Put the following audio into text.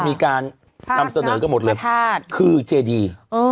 มีการนำเสนอกันหมดเลยคือเจดี